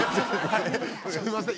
すいません